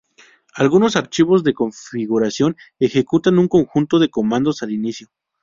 Algunos archivos de configuración ejecutan un conjunto de comandos al inicio.